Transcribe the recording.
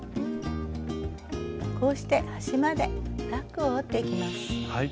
こうして端までタックを折っていきます。